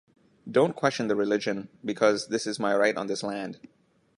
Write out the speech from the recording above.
Don't question the religion because this is my right on this land.